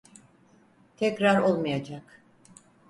Tekrar olmayacak.